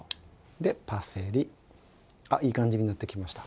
でパセリいい感じになってきました。